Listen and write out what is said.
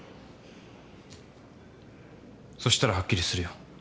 そしたらはっきりするよ。